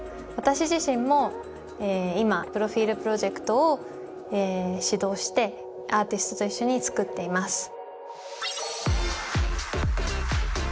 私自身も今プロフィールプロジェクトを始動してアーティストと一緒に作っています。